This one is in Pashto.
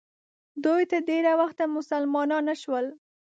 دوی تر ډېره وخته مسلمانان نه شول.